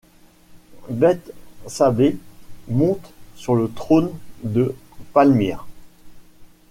Bethsabée monte sur le trône de Palmyre.